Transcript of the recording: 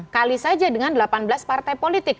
kali saja dengan delapan belas partai politik